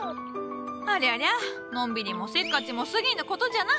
ありゃりゃのんびりもせっかちも過ぎぬ事じゃな。